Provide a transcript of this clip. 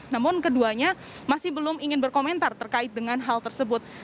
namun keduanya masih belum ingin berkomentar terkait dengan hal tersebut